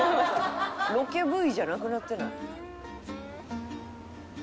「ロケＶじゃなくなってない？」